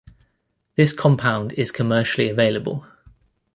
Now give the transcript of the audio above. This compound is commercially available.